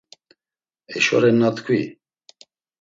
Eşo renna tkvi.